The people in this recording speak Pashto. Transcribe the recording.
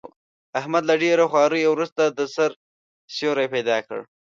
احمد له ډېرو خواریو ورسته، د سر سیوری پیدا کړ.